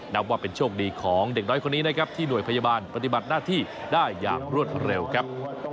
นับว่าเป็นโชคดีของเด็กน้อยคนนี้นะครับที่หน่วยพยาบาลปฏิบัติหน้าที่ได้อย่างรวดเร็วครับ